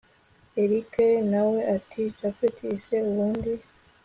erick nawe ati japhet se ubundi